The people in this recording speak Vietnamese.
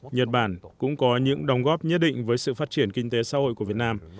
nhật bản cũng có những đồng góp nhất định với sự phát triển kinh tế xã hội của việt nam